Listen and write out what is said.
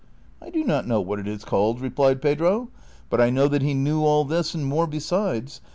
" I do not know what it is called," replied Pedro, " but I know that he knew all this and more besides.